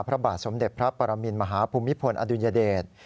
พระบาทสมเด็จพระปรมินมหาภูมิพลอดุลยเดช